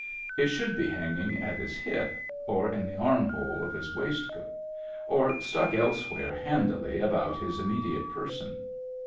It should be hanging at his hip, or in the armhole of his waistcoat, or stuck elsewhere handily about his immediate person.